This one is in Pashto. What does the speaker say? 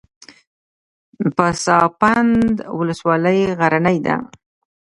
پسابند ولسوالۍ غرنۍ ده؟